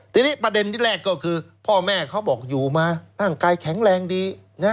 ทีนี้ประเด็นที่แรกก็คือพ่อแม่เขาบอกอยู่มาร่างกายแข็งแรงดีนะ